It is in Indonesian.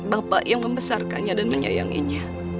bapak yang membesarkannya dan menyayanginya